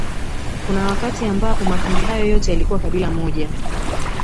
Kuna wakati ambapo makundi hayo yote yalikuwa kabila moja